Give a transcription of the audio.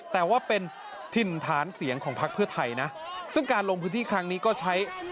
แต่ว่าเป็นถิ่นฐานเสียงของพักเพื่อไทยนะซึ่งการลงพื้นที่ครั้งนี้ก็ใช้